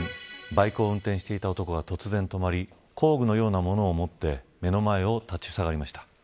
バイクを運転していた男が突然止まり工具のようなものを持って目の前を立ちふさがりました。